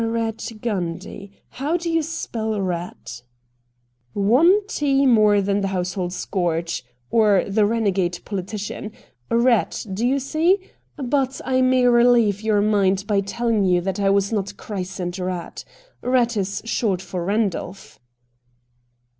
' Eatt Gundy. How do you spell Eatt ?'' One " t " more than the household scourge — or the renegade politician ! Eatt — do you see ? But I may reheve your mind by telling you that I was not christened Eatt. Eatt is short for Eandolph.'